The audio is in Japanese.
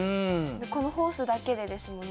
このホースだけでですもんね。